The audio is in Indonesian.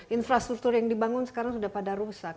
infrastruktur yang dibangun sekarang sudah pada rusak